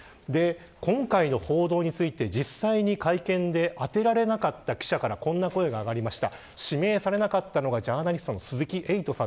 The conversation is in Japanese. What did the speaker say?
今回の報道について、実際に会見で当てられなかった記者からこんな声が上がりました。